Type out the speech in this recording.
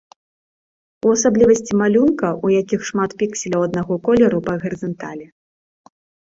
У асаблівасці малюнка, у якіх шмат пікселяў аднаго колеру па гарызанталі.